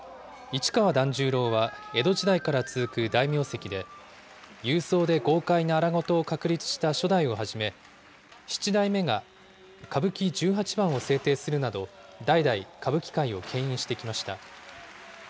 市川團十郎は、江戸時代から続く大名跡で、勇壮で豪快な荒事を確立した初代をはじめ、七代目が歌舞伎十八番を制定するなど代々、歌舞伎界をけん引してきました。